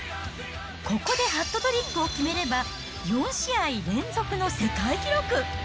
ここでハットトリックを決めれば４試合連続の世界記録。